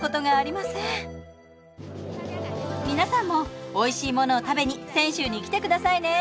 皆さんもおいしい物を食べに泉州に来てくださいね。